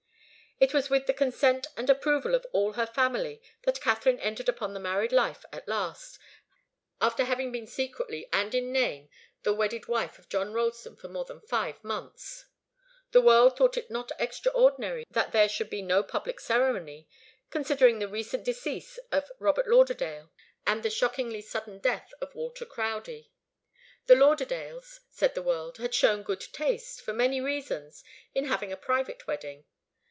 It was with the consent and approval of all her family that Katharine entered upon her married life at last, after having been secretly and in name the wedded wife of John Ralston for more than five months. The world thought it not extraordinary that there should be no public ceremony, considering the recent decease of Robert Lauderdale and the shockingly sudden death of Walter Crowdie. The Lauderdales, said the world, had shown good taste, for many reasons, in having a private wedding.